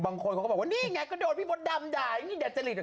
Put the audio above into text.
บางคนเขาก็บอกว่านี่ไงก็โดนพี่บทดำด่ายนี่แดดจริต